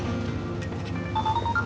ya aku mau